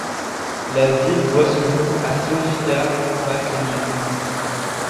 La ville doit son nom à Sophia McGinnis.